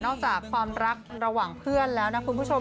จากความรักระหว่างเพื่อนแล้วนะคุณผู้ชม